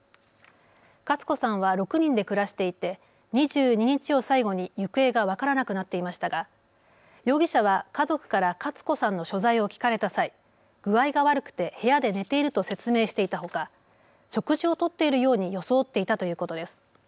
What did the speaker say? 克子さんは６人で暮らしていて２２日を最後に行方が分からなくなっていましたが容疑者は家族から克子さんの所在を聞かれた際、具合が悪くて部屋で寝ていると説明していたほか食事をとっているように装っていたということです。